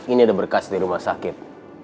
ini ada berkas di rumah sakit